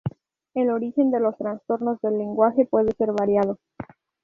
El origen de los trastornos del lenguaje puede ser variado.